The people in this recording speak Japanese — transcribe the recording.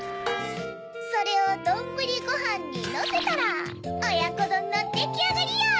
それをどんぶりごはんにのせたらおやこどんのできあがりや！